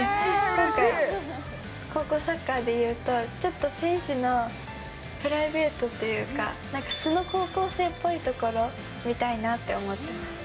今回、高校サッカーでいうと、ちょっと選手のプライベートっていうか、なんか素の高校生っぽいところを見たいなって思ってます。